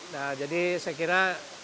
nah jadi saya kira